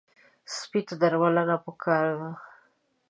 سپي ته درملنه پکار ده.